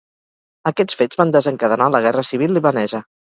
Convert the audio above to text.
Aquests fets van desencadenar la Guerra Civil Libanesa.